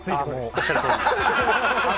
おっしゃるとおりです。